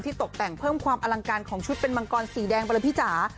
ที่ตกแต่งเพิ่มความอลังการของชุดเป็นมังกรสีแดงบรรพิจา